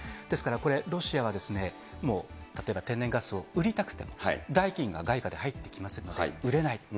ですから、これロシアは、もう、例えば天然ガスを売りたくても代金が外貨で入ってきませんので、売れない。